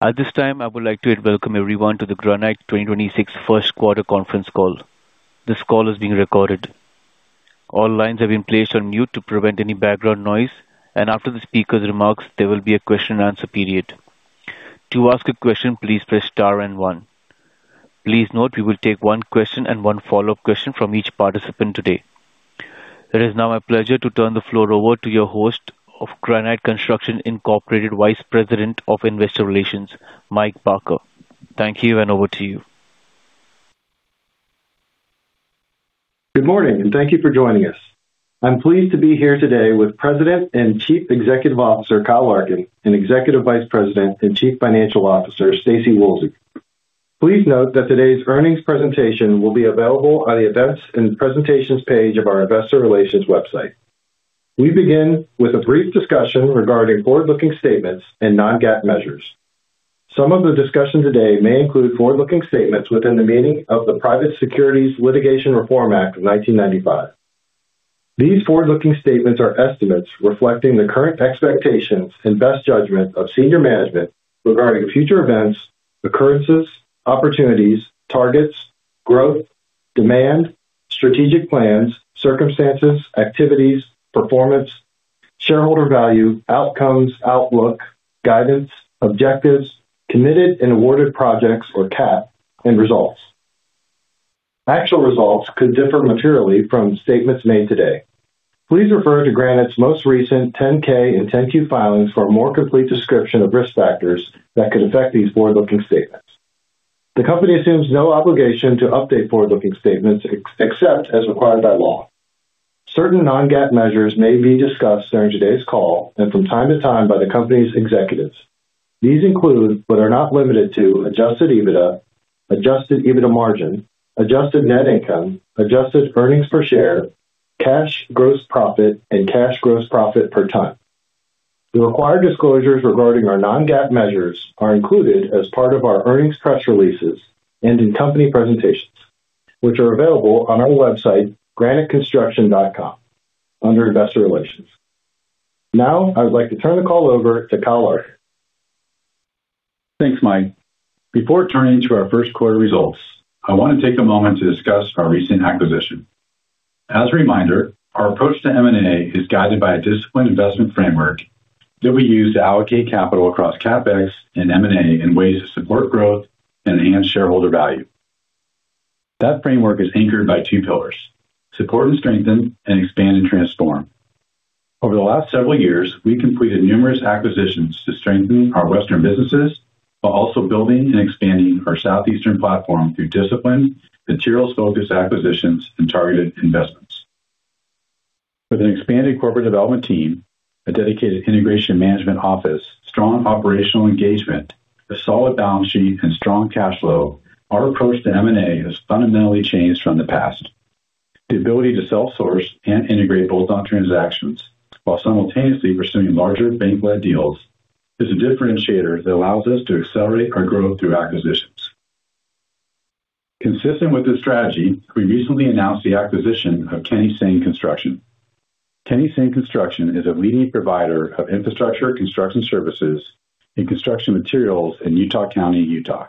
At this time, I would like to welcome everyone to the Granite 2026 First Quarter Conference Call. This call is being recorded. All lines have been placed on mute to prevent any background noise, and after the speaker's remarks, there will be a question and answer period. To ask a question, please press star and one. Please note we will take one question and one follow-up question from each participant today. It is now my pleasure to turn the floor over to your host of Granite Construction Incorporated, Vice President of Investor Relations, Michael Barker. Thank you, and over to you. Good morning, and thank you for joining us. I'm pleased to be here today with President and Chief Executive Officer, Kyle Larkin, and Executive Vice President and Chief Financial Officer, Staci Woolsey. Please note that today's earnings presentation will be available on the events and presentations page of our investor relations website. We begin with a brief discussion regarding forward-looking statements and non-GAAP measures. Some of the discussion today may include forward-looking statements within the meaning of the Private Securities Litigation Reform Act of 1995. These forward-looking statements are estimates reflecting the current expectations and best judgment of senior management regarding future events, occurrences, opportunities, targets, growth, demand, strategic plans, circumstances, activities, performance, shareholder value, outcomes, outlook, guidance, objectives, Committed and Awarded Projects or CAP, and results. Actual results could differ materially from statements made today. Please refer to Granite's most recent 10-K and 10-Q filings for a more complete description of Risk Factors that could affect these forward-looking statements. The company assumes no obligation to update forward-looking statements except as required by law. Certain non-GAAP measures may be discussed during today's call and from time to time by the company's executives. These include, but are not limited to, Adjusted EBITDA, Adjusted EBITDA Margin, Adjusted Net Income, Adjusted Earnings Per Share, Cash Gross Profit, and Cash Gross Profit Per Ton. The required disclosures regarding our non-GAAP measures are included as part of our earnings press releases and in company presentations, which are available on our website, graniteconstruction.com, under Investor Relations. I would like to turn the call over to Kyle Larkin. Thanks, Mike. Before turning to our first quarter results, I wanna take a moment to discuss our recent acquisition. As a reminder, our approach to M&A is guided by a disciplined investment framework that we use to allocate capital across CapEx and M&A in ways to support growth and enhance shareholder value. That framework is anchored by two pillars. Support and strengthen and expand and transform. Over the last several years, we completed numerous acquisitions to strengthen our Western businesses while also building and expanding our Southeastern platform through disciplined materials-focused acquisitions and targeted investments. With an expanded corporate development team, a dedicated integration management office, strong operational engagement, a solid balance sheet, and strong cash flow, our approach to M&A has fundamentally changed from the past. The ability to self-source and integrate bolt-on transactions while simultaneously pursuing larger bank-led deals is a differentiator that allows us to accelerate our growth through acquisitions. Consistent with this strategy, we recently announced the acquisition of Kenny Seng Construction. Kenny Seng Construction is a leading provider of infrastructure construction services and construction materials in Utah County, Utah.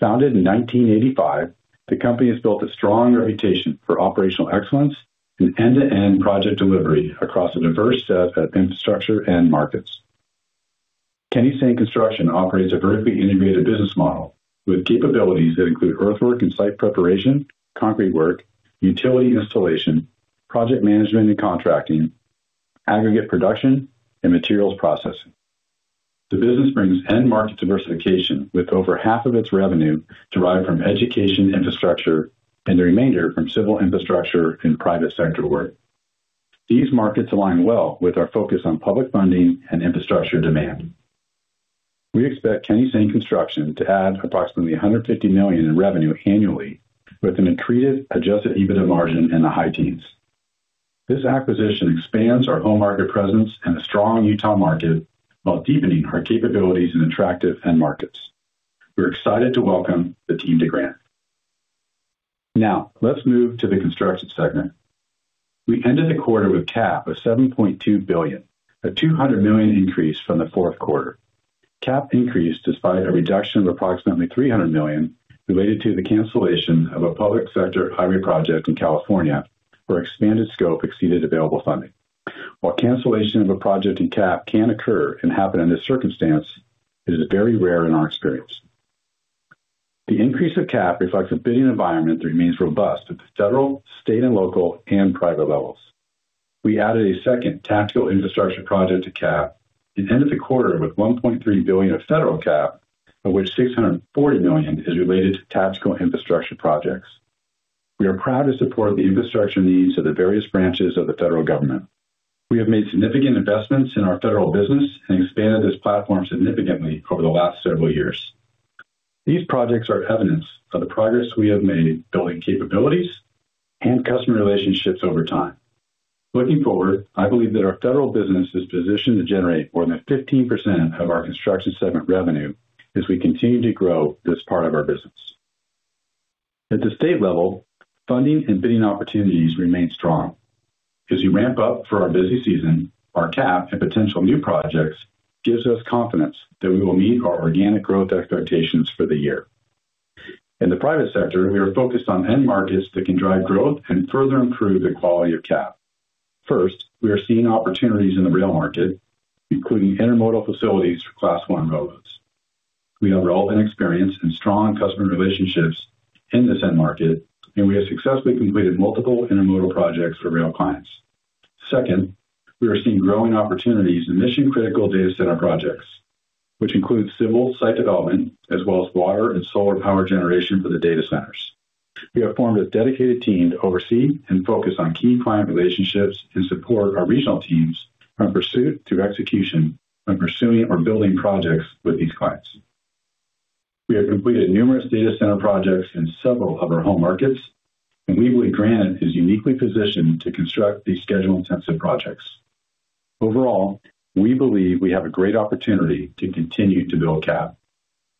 Founded in 1985, the company has built a strong reputation for operational excellence and end-to-end project delivery across a diverse set of infrastructure and markets. Kenny Seng Construction operates a vertically integrated business model with capabilities that include earthwork and site preparation, concrete work, utility installation, project management and contracting, aggregate production, and materials processing. The business brings end market diversification with over half of its revenue derived from education infrastructure and the remainder from civil infrastructure and private sector work. These markets align well with our focus on public funding and infrastructure demand. We expect Kenny Seng Construction to add approximately $150 million in revenue annually with an accreted Adjusted EBITDA Margin in the high teens. This acquisition expands our home market presence in the strong Utah market while deepening our capabilities in attractive end markets. We're excited to welcome the team to Granite. Let's move to the Construction Segment. We ended the quarter with CAP of $7.2 billion, a $200 million increase from the fourth quarter. CAP increased despite a reduction of approximately $300 million related to the cancellation of a public sector highway project in California, where expanded scope exceeded available funding. While cancellation of a project in CAP can occur and happen in this circumstance, it is very rare in our experience. The increase of CAP reflects a bidding environment that remains robust at the Federal, State, and Local, and Private levels. We added a second Tactical Infrastructure project to CAP and ended the quarter with $1.3 billion of federal CAP, of which $640 million is related to Tactical Infrastructure projects. We are proud to support the infrastructure needs of the various branches of the Federal government. We have made significant investments in our Federal business and expanded this platform significantly over the last several years. These projects are evidence of the progress we have made building capabilities and customer relationships over time. Looking forward, I believe that our Federal business is positioned to generate more than 15% of our construction segment revenue as we continue to grow this part of our business. At the State level, funding and bidding opportunities remain strong. As we ramp up for our busy season, our CAP and potential new projects gives us confidence that we will meet our organic growth expectations for the year. In the private sector, we are focused on end markets that can drive growth and further improve the quality of CAP. First, we are seeing opportunities in the rail market, including Intermodal facilities for Class I railroads. We have relevant experience and strong customer relationships in this end market, and we have successfully completed multiple Intermodal projects for rail clients. Second, we are seeing growing opportunities in mission-critical Data Center projects, which include civil site development as well as water and solar power generation for the data centers. We have formed a dedicated team to oversee and focus on key client relationships and support our regional teams from pursuit to execution when pursuing or building projects with these clients. We have completed numerous data center projects in several of our home markets, and we believe Granite is uniquely positioned to construct these schedule-intensive projects. Overall, we believe we have a great opportunity to continue to build CAP.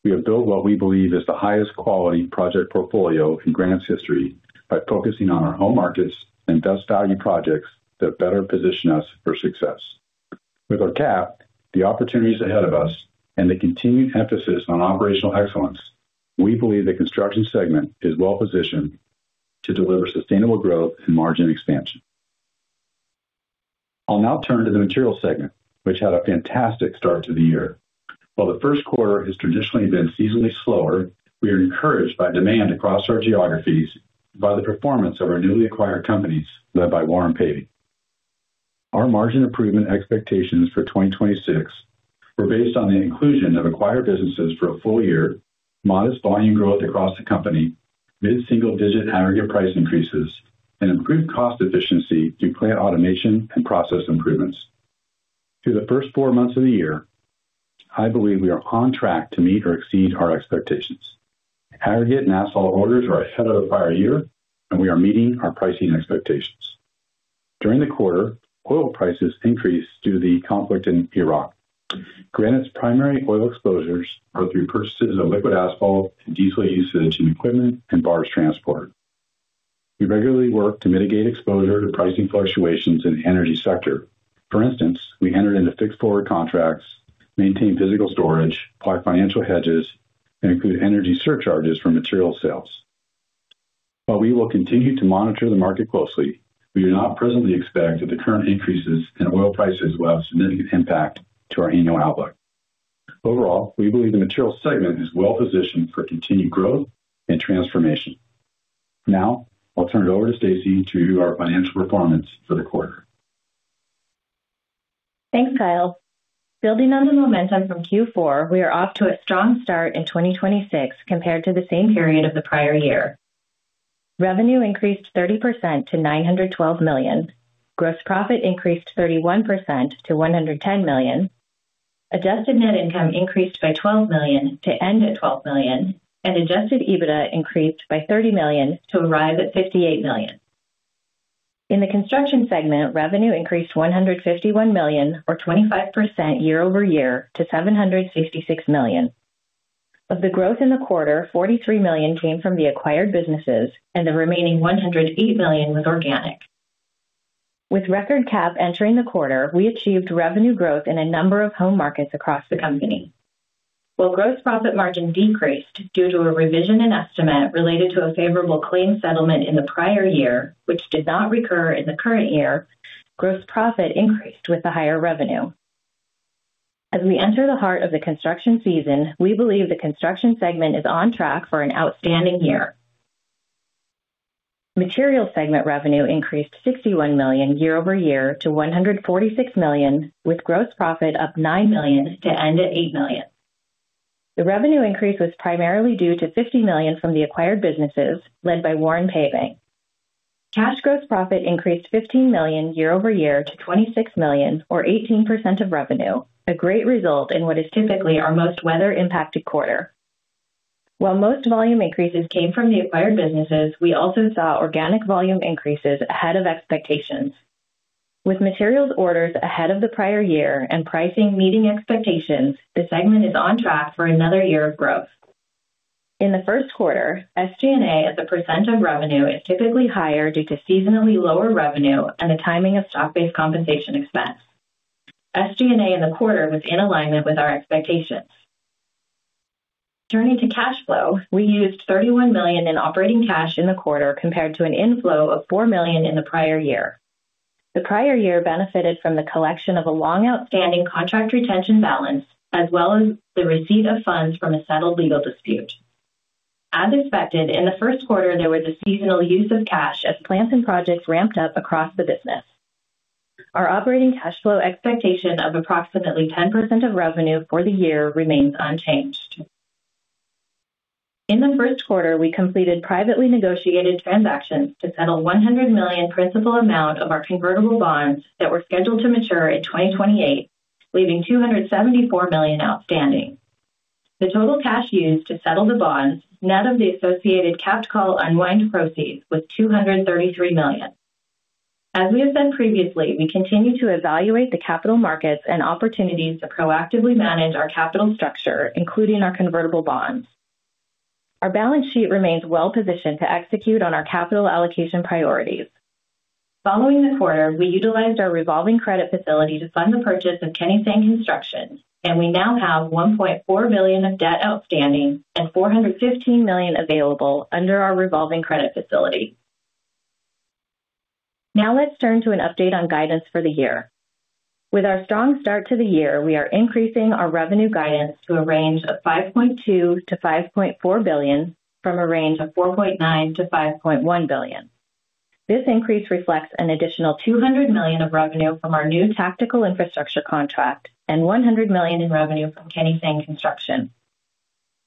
We have built what we believe is the highest quality project portfolio in Granite's history by focusing on our home markets and best value projects that better position us for success. With our CAP, the opportunities ahead of us, and the continued emphasis on operational excellence, we believe the construction segment is well-positioned to deliver sustainable growth and margin expansion. I'll now turn to the materials segment, which had a fantastic start to the year. While the first quarter has traditionally been seasonally slower, we are encouraged by demand across our geographies by the performance of our newly acquired companies led by Warren Paving. Our margin improvement expectations for 2026 were based on the inclusion of acquired businesses for a full year, modest volume growth across the company, mid-single digit aggregate price increases, and improved cost efficiency through plant automation and process improvements. Through the first four months of the year, I believe we are on track to meet or exceed our expectations. Aggregate and Asphalt orders are ahead of the prior year, and we are meeting our pricing expectations. During the quarter, oil prices increased due to the conflict in Iraq. Granite's primary oil exposures are through purchases of Liquid asphalt and diesel usage in equipment and barge transport. We regularly work to mitigate exposure to pricing fluctuations in the energy sector. For instance, we entered into fixed forward contracts, maintain physical storage, apply financial hedges, and include energy surcharges for material sales. While we will continue to monitor the market closely, we do not presently expect that the current increases in oil prices will have significant impact to our annual outlook. Overall, we believe the materials segment is well positioned for continued growth and transformation. I'll turn it over to Staci to our financial performance for the quarter. Thanks, Kyle. Building on the momentum from Q4, we are off to a strong start in 2026 compared to the same period of the prior year. Revenue increased 30% to $912 million. Gross profit increased 31% to $110 million. Adjusted Net Income increased by $12 million to end at $12 million. Adjusted EBITDA increased by $30 million to arrive at $58 million. In the construction segment, revenue increased $151 million or 25% year-over-year to $766 million. Of the growth in the quarter, $43 million came from the acquired businesses and the remaining $108 million was organic. With record CapEx entering the quarter, we achieved revenue growth in a number of home markets across the company. While gross profit margin decreased due to a revision in estimate related to a favorable claim settlement in the prior year, which did not recur in the current year, gross profit increased with the higher revenue. As we enter the heart of the construction season, we believe the construction segment is on track for an outstanding year. Material segment revenue increased $61 million year-over-year to $146 million, with gross profit up $9 million to end at $8 million. The revenue increase was primarily due to $50 million from the acquired businesses led by Warren Paving. Cash Gross Profit increased $15 million year-over-year to $26 million or 18% of revenue, a great result in what is typically our most weather-impacted quarter. While most volume increases came from the acquired businesses, we also saw organic volume increases ahead of expectations. With materials orders ahead of the prior year and pricing meeting expectations, the segment is on track for another year of growth. In the first quarter, SG&A as a percentage of revenue is typically higher due to seasonally lower revenue and the timing of Stock-Based Compensation expense. SG&A in the quarter was in alignment with our expectations. Turning to cash flow, we used $31 million in operating cash in the quarter compared to an inflow of $4 million in the prior year. The prior year benefited from the collection of a long-outstanding contract retention balance, as well as the receipt of funds from a settled legal dispute. As expected, in the first quarter, there was a seasonal use of cash as plants and projects ramped up across the business. Our operating cash flow expectation of approximately 10% of revenue for the year remains unchanged. In the first quarter, we completed privately negotiated transactions to settle $100 million principal amount of our Convertible Bonds that were scheduled to mature in 2028, leaving $274 million outstanding. The total cash used to settle the bonds, net of the associated Capped Call unwind proceeds, was $233 million. As we have said previously, we continue to evaluate the capital markets and opportunities to proactively manage our capital structure, including our Convertible Bonds. Our balance sheet remains well-positioned to execute on our capital allocation priorities. Following the quarter, we utilized our revolving credit facility to fund the purchase of Kenny Seng Construction, and we now have $1.4 billion of debt outstanding and $415 million available under our revolving credit facility. Now let's turn to an update on guidance for the year. With our strong start to the year, we are increasing our revenue guidance to a range of $5.2 billion-$5.4 billion, from a range of $4.9 billion-$5.1 billion. This increase reflects an additional $200 million of revenue from our new Tactical Infrastructure contract and $100 million in revenue from Kenny Seng Construction.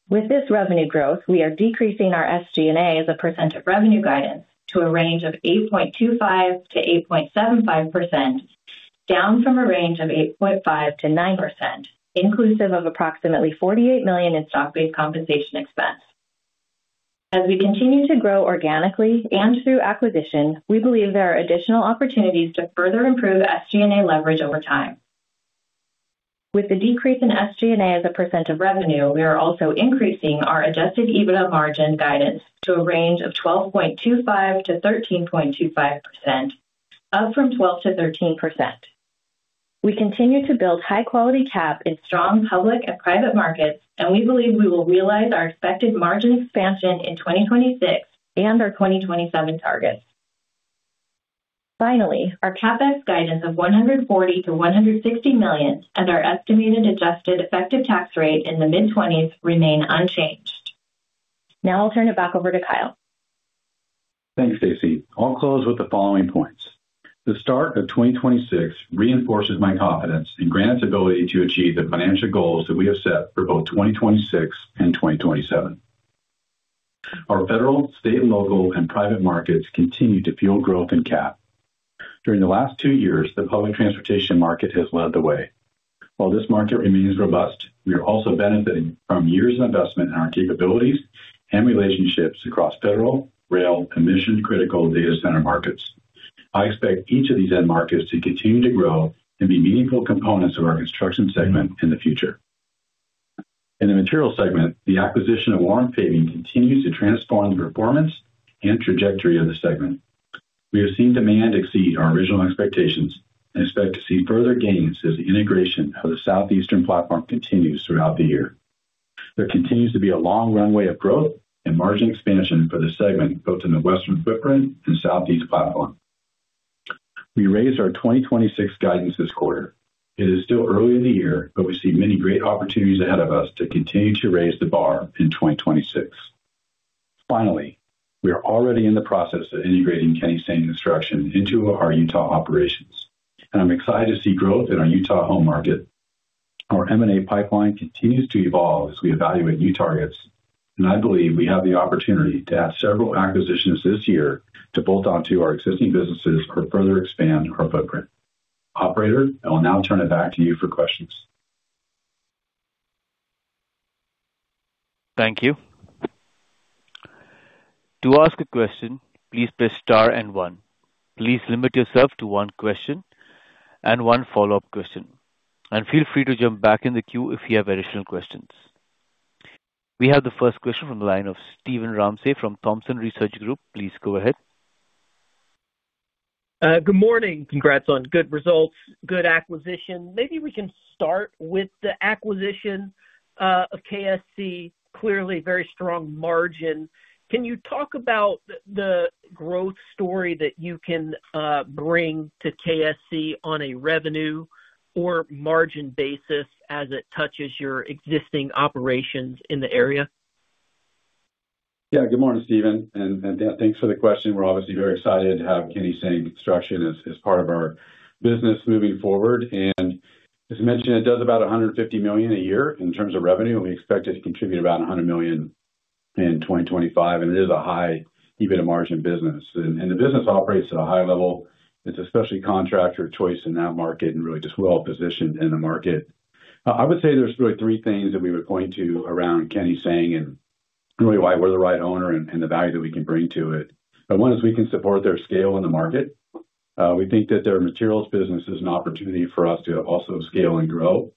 With this revenue growth, we are decreasing our SG&A as a percentage of revenue guidance to a range of 8.25%-8.75%, down from a range of 8.5%-9%, inclusive of approximately $48 million in Stock-Based Compensation expense. As we continue to grow organically and through acquisition, we believe there are additional opportunities to further improve SG&A leverage over time. With the decrease in SG&A as a percent of revenue, we are also increasing our Adjusted EBITDA Margin guidance to a range of 12.25%-13.25%, up from 12%-13%. We continue to build high quality CAP in strong public and private markets, and we believe we will realize our expected margin expansion in 2026 and our 2027 targets. Finally, our CapEx guidance of $140 million-$160 million and our estimated adjusted effective tax rate in the mid-20s% remain unchanged. Now I'll turn it back over to Kyle. Thanks, Staci. I'll close with the following points. The start of 2026 reinforces my confidence in Granite's ability to achieve the financial goals that we have set for both 2026 and 2027. Our Federal, State, and Local, and Private markets continue to fuel growth in CAP. During the last two years, the public transportation market has led the way. While this market remains robust, we are also benefiting from years of investment in our capabilities and relationships across federal, rail, and mission-critical data center markets. I expect each of these end markets to continue to grow and be meaningful components of our construction segment in the future. In the materials segment, the acquisition of Warren Paving continues to transform the performance and trajectory of the segment. We have seen demand exceed our original expectations and expect to see further gains as the integration of the Southeastern platform continues throughout the year. There continues to be a long runway of growth and margin expansion for this segment, both in the Western footprint and Southeast platform. We raised our 2026 guidance this quarter. It is still early in the year, but we see many great opportunities ahead of us to continue to raise the bar in 2026. Finally, we are already in the process of integrating Kenny Seng Construction into our Utah operations, and I'm excited to see growth in our Utah home market. Our M&A pipeline continues to evolve as we evaluate new targets, and I believe we have the opportunity to have several acquisitions this year to bolt on to our existing businesses or further expand our footprint. Operator, I will now turn it back to you for questions. Thank you. To ask a question, please press star and one. Please limit yourself to one question and one follow-up question. Feel free to jump back in the queue if you have additional questions. We have the first question from the line of Steven Ramsey from Thompson Research Group. Please go ahead. Good morning. Congrats on good results, good acquisition. Maybe we can start with the acquisition of KSC. Clearly very strong margin. Can you talk about the growth story that you can bring to KSC on a revenue or margin basis as it touches your existing operations in the area? Yeah, good morning, Steven, and, yeah, thanks for the question. We're obviously very excited to have Kenny Seng Construction as part of our business moving forward. As mentioned, it does about $150 million a year in terms of revenue, and we expect it to contribute about $100 million in 2025. It is a high EBITDA margin business. The business operates at a high level. It's a specialty contractor of choice in that market and really just well-positioned in the market. I would say there's really three things that we would point to around Kenny Seng and really why we're the right owner and the value that we can bring to it. One is we can support their scale in the market. We think that their materials business is an opportunity for us to also scale and grow.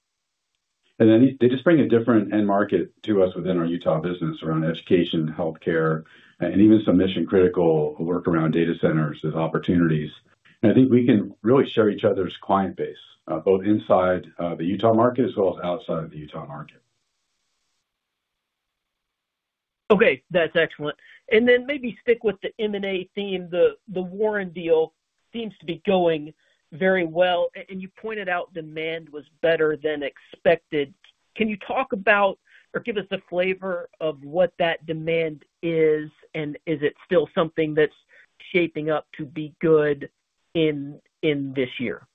They just bring a different end market to us within our Utah business around education, healthcare, and even some mission-critical work around data centers as opportunities. I think we can really share each other's client base, both inside the Utah market as well as outside of the Utah market. Okay. That's excellent. Maybe stick with the M&A theme. The Warren deal seems to be going very well. And you pointed out demand was better than expected. Can you talk about or give us a flavor of what that demand is? Is it still something that's shaping up to be good in this year?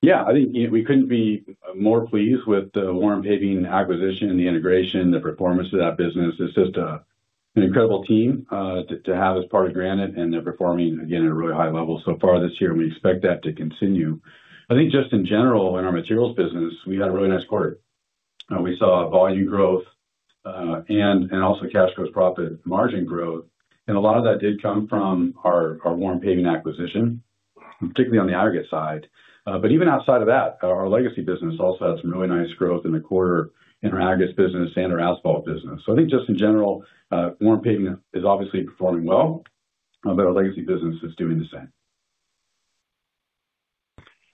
Yeah. I think we couldn't be more pleased with the Warren Paving acquisition and the integration, the performance of that business. It's just an incredible team to have as part of Granite, and they're performing, again, at a really high level so far this year, and we expect that to continue. I think just in general, in our materials business, we had a really nice quarter. We saw volume growth and also cash gross profit margin growth. A lot of that did come from our Warren Paving acquisition, particularly on the aggregate side. Even outside of that, our legacy business also had some really nice growth in the quarter in our aggregates business and our asphalt business. I think just in general, Warren Paving is obviously performing well, but our legacy business is doing the same.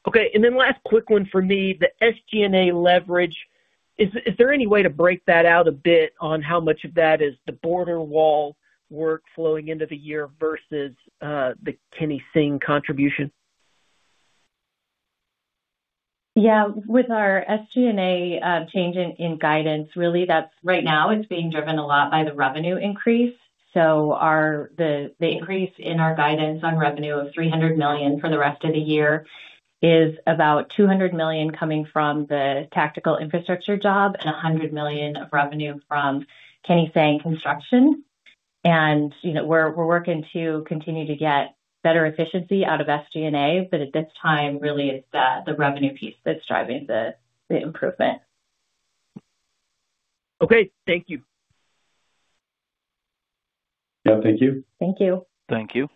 Okay. Then last quick one for me, the SG&A leverage. Is there any way to break that out a bit on how much of that is the border wall work flowing into the year versus the Kenny Seng contribution? Yeah. With our SG&A change in guidance, really that's. Right now it's being driven a lot by the revenue increase. The increase in our guidance on revenue of $300 million for the rest of the year is about $200 million coming from the Tactical Infrastructure job and $100 million of revenue from Kenny Seng Construction. You know, we're working to continue to get better efficiency out of SG&A, but at this time, really it's the revenue piece that's driving the improvement. Okay. Thank you. Yeah. Thank you. Thank you. Thank you.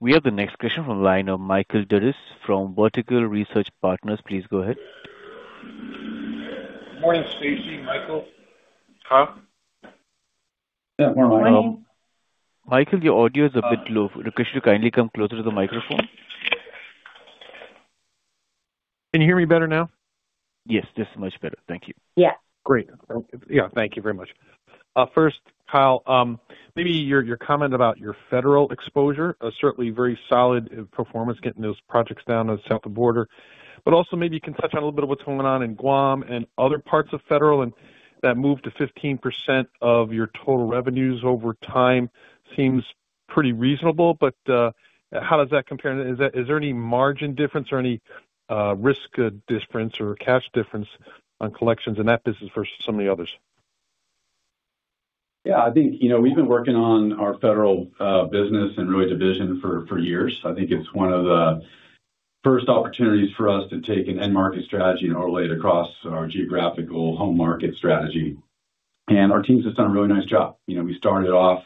We have the next question from the line of Michael Dudas from Vertical Research Partners. Please go ahead. Morning, Staci, Michael, Kyle. Yeah. Morning, Michael. Michael, your audio is a bit low. Could you kindly come closer to the microphone? Can you hear me better now? Yes, this is much better. Thank you. Yeah. Great. Yeah, thank you very much. First, Kyle, maybe your comment about your Federal exposure, certainly very solid in performance getting those projects down on the south of the border. Also maybe you can touch on a little bit of what's going on in Guam and other parts of Federal and that move to 15% of your total revenues over time seems pretty reasonable. How does that compare? Is there any margin difference or any risk difference or cash difference on collections in that business versus some of the others? Yeah. I think, you know, we've been working on our Federal business and road division for years. I think it's one of the first opportunities for us to take an end market strategy and overlay it across our geographical home market strategy. Our teams have done a really nice job. We started off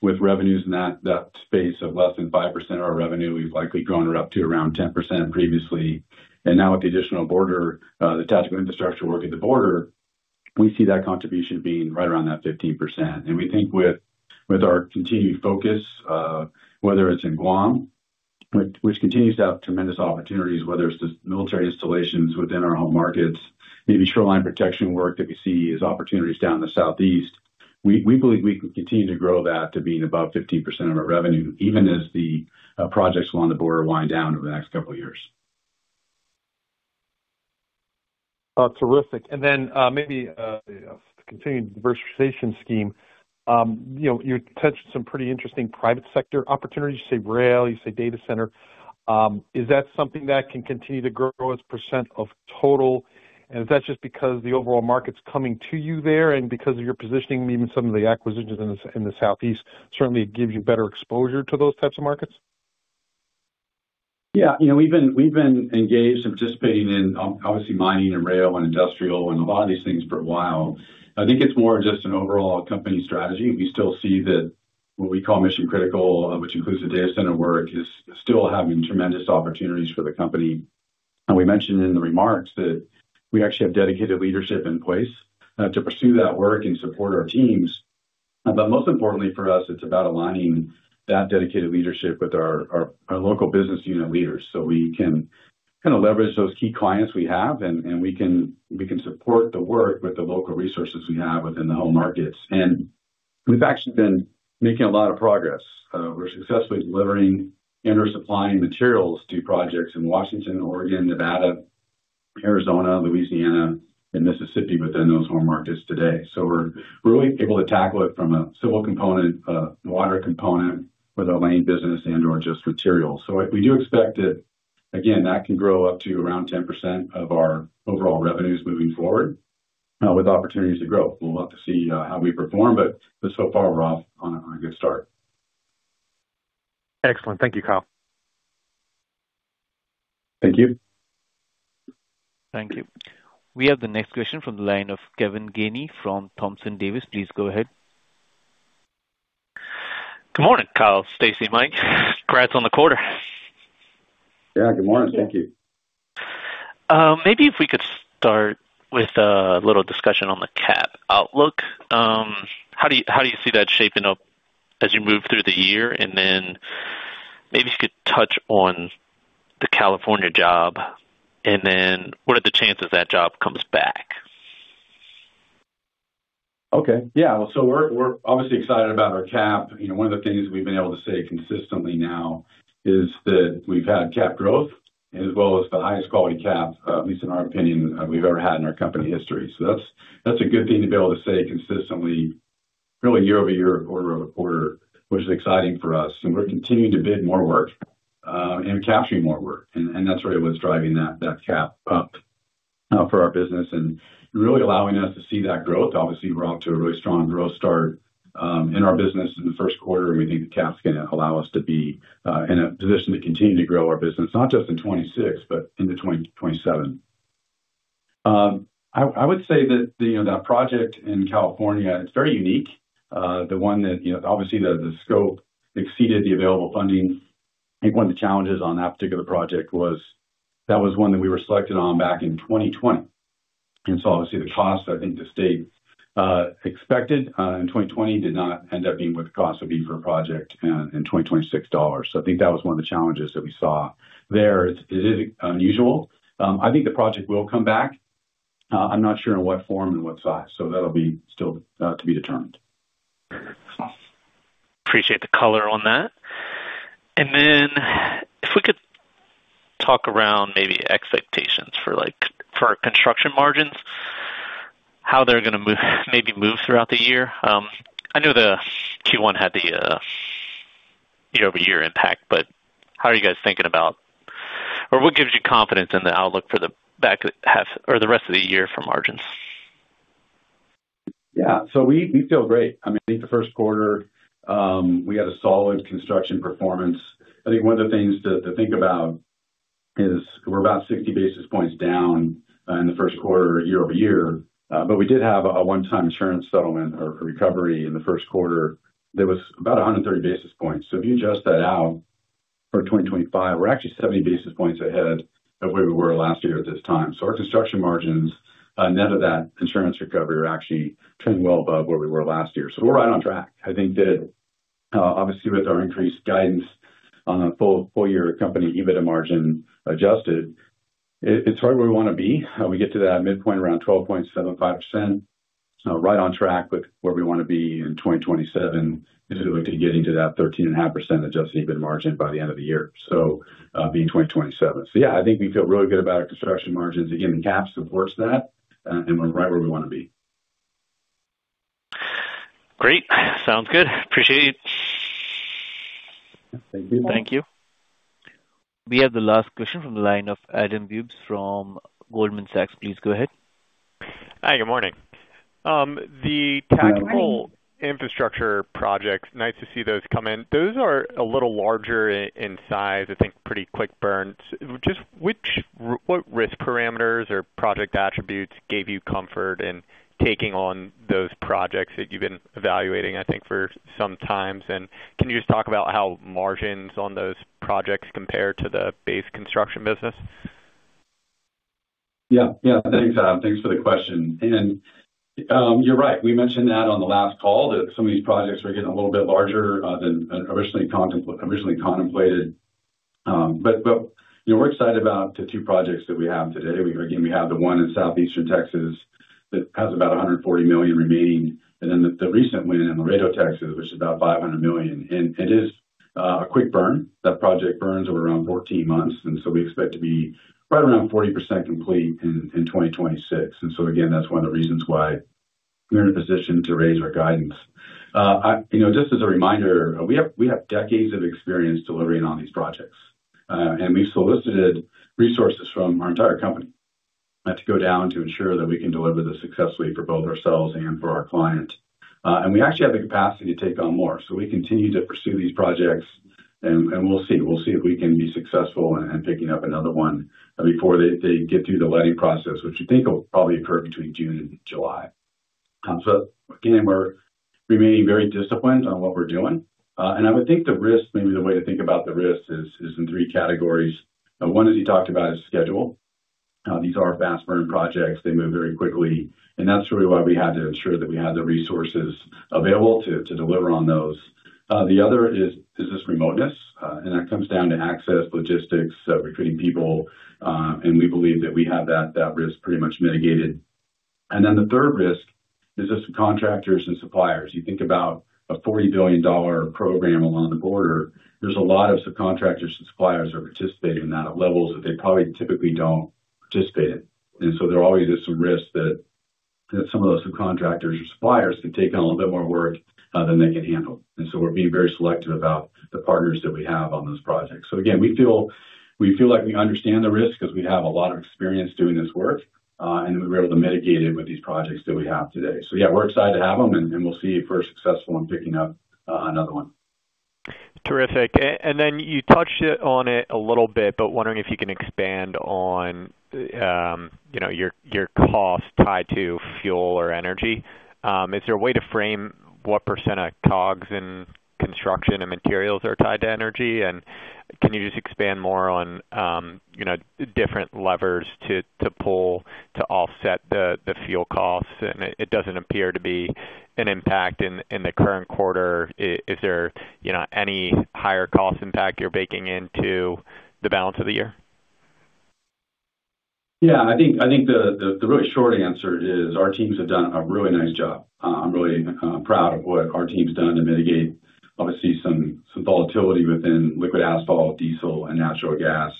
with revenues in that space of less than 5% of our revenue. We've likely grown it up to around 10% previously. Now with the additional border, the Tactical Infrastructure work at the border, we see that contribution being right around that 15%. We think with our continued focus, whether it's in Guam, which continues to have tremendous opportunities, whether it's the military installations within our home markets, maybe shoreline protection work that we see as opportunities down in the southeast, we believe we can continue to grow that to being above 15% of our revenue, even as the projects along the border wind down over the next two years. Terrific. Maybe, continuing the diversification scheme, you know, you touched on some pretty interesting private sector opportunities. You say rail, you say Data Center. Is that something that can continue to grow as percent of total? Is that just because the overall market's coming to you there and because of your positioning, even some of the acquisitions in the, in the southeast certainly give you better exposure to those types of markets? Yeah. You know, we've been engaged and participating in obviously mining and rail and industrial and a lot of these things for a while. I think it's more just an overall company strategy. We still see that what we call mission critical, which includes the data center work, is still having tremendous opportunities for the company. We mentioned in the remarks that we actually have dedicated leadership in place to pursue that work and support our teams. Most importantly for us, it's about aligning that dedicated leadership with our local business unit leaders so we can leverage those key clients we have and we can support the work with the local resources we have within the home markets. We've actually been making a lot of progress. We're successfully delivering and/or supplying materials to projects in Washington, Oregon, Nevada, Arizona, Louisiana, and Mississippi within those home markets today. We're really able to tackle it from a civil component, a water component with our Lane business and/or just materials. We, we do expect it. Again, that can grow up to around 10% of our overall revenues moving forward, with opportunities to grow. We'll have to see how we perform, but so far we're off on a good start. Excellent. Thank you, Kyle. Thank you. Thank you. We have the next question from the line of Kevin Gainey from Thompson Davis & Co. Please go ahead. Good morning, Kyle, Staci, Mike. Congrats on the quarter. Yeah. Good morning. Thank you. Thank you. Maybe if we could start with a little discussion on the Cap outlook. How do you see that shaping up as you move through the year? Maybe if you could touch on the California job, and then what are the chances that job comes back? Okay. Yeah. We're obviously excited about our CAP. One of the things we've been able to say consistently now is that we've had CAP growth as well as the highest quality CAP, at least in our opinion, we've ever had in our company history. That's a good thing to be able to say consistently, really year-over-year, quarter-over-quarter, which is exciting for us. We're continuing to bid more work and capturing more work. That's really what's driving that CAP up for our business and really allowing us to see that growth. Obviously, we're off to a really strong growth start in our business in the first quarter. We think the CAP's gonna allow us to be in a position to continue to grow our business, not just in 2026, but into 2027. I would say that, you know, that project in California, it's very unique. The one that, obviously the scope exceeded the available funding. I think one of the challenges on that particular project was that was one that we were selected on back in 2020. Obviously the cost I think the state expected in 2020 did not end up being what the cost would be for a project in 2026 dollars. I think that was one of the challenges that we saw there. It is unusual. I think the project will come back. I'm not sure in what form and what size, that'll be still to be determined. Appreciate the color on that. If we could talk around maybe expectations for our construction margins, how they're gonna maybe move throughout the year. I know the Q1 had the year-over-year impact. How are you guys thinking about or what gives you confidence in the outlook for the back half or the rest of the year for margins? We feel great. I mean, I think the first quarter, we had a solid construction performance. I think one of the things to think about is we're about 60 basis points down in the first quarter year-over-year, but we did have a one-time insurance settlement or recovery in the first quarter that was about 130 basis points. If you adjust that out for 2025, we're actually 70 basis points ahead of where we were last year at this time. Our construction margins, net of that insurance recovery are actually trending well above where we were last year. We're right on track. I think that obviously with our increased guidance on a full-year company EBITDA Margin Adjusted, it's right where we wanna be. We get to that midpoint around 12.75%. Right on track with where we wanna be in 2027 as we look to getting to that 13.5% Adjusted EBIT Margin by the end of the year, so, being 2027. I think we feel really good about our construction margins. Again, the CAP supports that, and we're right where we wanna be. Great. Sounds good. Appreciate it. Thank you. Thank you. We have the last question from the line of Adam Bubes from Goldman Sachs. Please go ahead. Hi, good morning. The Tactical Infrastructure projects, nice to see those come in. Those are a little larger in size, I think pretty quick burn. Just what risk parameters or project attributes gave you comfort in taking on those projects that you've been evaluating, I think, for some times? Can you just talk about how margins on those projects compare to the base construction business? Yeah. Yeah. Thanks, Adam. Thanks for the question. You're right, we mentioned that on the last call, that some of these projects were getting a little bit larger than originally contemplated. We're excited about the two projects that we have today. Again, we have the one in Southeastern Texas that has about $140 million remaining, the recent win in Laredo, Texas, which is about $500 million. It is a quick burn. That project burns over around 14 months, we expect to be right around 40% complete in 2026. Again, that's one of the reasons why we're in a position to raise our guidance. You know, just as a reminder, we have decades of experience delivering on these projects, and we've solicited resources from our entire company to go down to ensure that we can deliver this successfully for both ourselves and for our client. We actually have the capacity to take on more. We continue to pursue these projects and we'll see. We'll see if we can be successful in picking up another one before they get through the letting process, which we think will probably occur between June and July. Again, we're remaining very disciplined on what we're doing. I would think the risk, maybe the way to think about the risk is in three categories. One, as you talked about, is schedule. These are fast burn projects. They move very quickly, and that's really why we had to ensure that we had the resources available to deliver on those. The other is this remoteness, and that comes down to access, logistics, recruiting people, and we believe that we have that risk pretty much mitigated. The third risk is the subcontractors and suppliers. You think about a $40 billion program along the border, there's a lot of subcontractors and suppliers that are participating in that at levels that they probably typically don't participate in. There always is some risk that some of those subcontractors or suppliers can take on a little bit more work than they can handle. We're being very selective about the partners that we have on those projects. Again, we feel like we understand the risk because we have a lot of experience doing this work, and we were able to mitigate it with these projects that we have today. Yeah, we're excited to have them, and we'll see if we're successful in picking up another one. Terrific. Then you touched on it a little bit, but wondering if you can expand on, you know, your costs tied to fuel or energy. Is there a way to frame what percent of COGS in construction and materials are tied to energy? Can you just expand more on, you know, different levers to pull to offset the fuel costs? It doesn't appear to be an impact in the current quarter. Is there, you know, any higher cost impact you're baking into the balance of the year? I think the really short answer is our teams have done a really nice job. I'm really proud of what our team's done to mitigate obviously some volatility within liquid asphalt, diesel, and natural gas.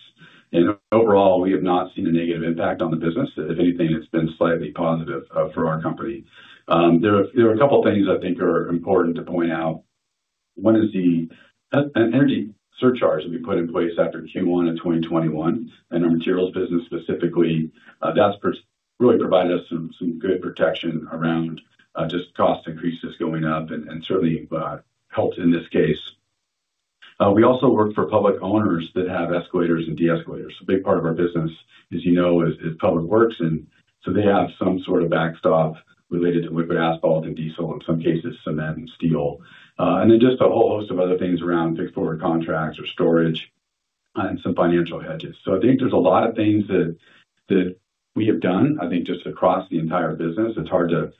Overall, we have not seen a negative impact on the business. If anything, it's been slightly positive for our company. There are a couple of things I think are important to point out. One is an energy surcharge that we put in place after Q1 in 2021 in our materials business specifically. That's really provided us some good protection around just cost increases going up and certainly helped in this case. We also work for public owners that have escalators and de-escalators. A big part of our business, as you know, is public works and so they have some backstop related to liquid asphalt and diesel, in some cases cement and steel. Just a whole host of other things around fixed forward contracts or storage and some financial hedges. I think there's a lot of things that we have done, I think, just across the entire business. It's hard to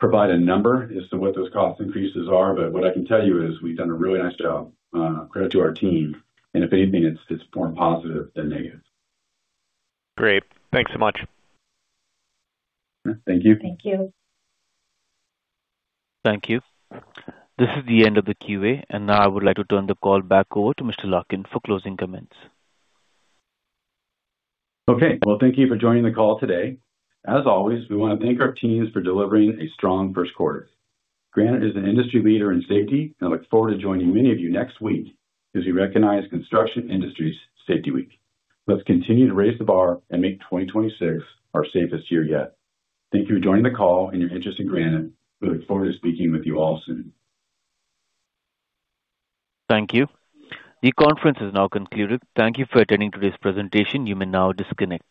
provide a number as to what those cost increases are, but what I can tell you is we've done a really nice job, credit to our team, and if anything, it's more positive than negative. Great. Thanks so much. Thank you. Thank you. Thank you. This is the end of the QA. Now I would like to turn the call back over to Mr. Larkin for closing comments. Okay. Well, thank you for joining the call today. As always, we wanna thank our teams for delivering a strong first quarter. Granite is an industry leader in safety, and I look forward to joining many of you next week as we recognize Construction Safety Week. Let's continue to raise the bar and make 2026 our safest year yet. Thank you for joining the call and your interest in Granite. We look forward to speaking with you all soon. Thank you. The conference is now concluded. Thank you for attending today's presentation. You may now disconnect.